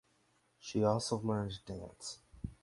She also learned dance.